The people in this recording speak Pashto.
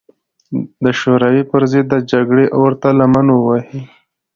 د شوروي پر ضد د جګړې اور ته لمن ووهي.